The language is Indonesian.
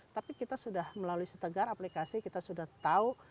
tapi kita sudah melalui setegar aplikasi kita sudah tahu